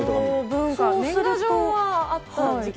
年賀状はあった時期も。